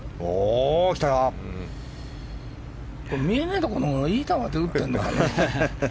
見えないところのほうがいい球打ってるよね。